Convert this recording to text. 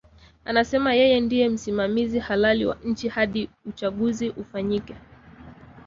Anasema yeye ndie msimamizi halali wa nchi hadi uchaguzi ufanyike